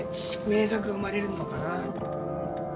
名作が生まれるのかな。